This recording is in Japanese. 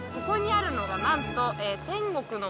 ここにあるのがなんと。